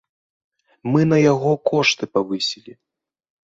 Мы на яго кошты павысілі.